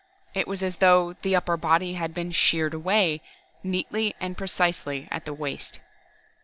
It was as though the upper body had been sheared away, neatly and precisely, at the waist.